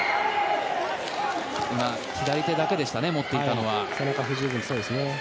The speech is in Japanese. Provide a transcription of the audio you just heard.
今、左手だけでしたね持っていたのは。